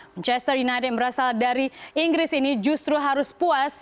manchester united yang berasal dari inggris ini justru harus puas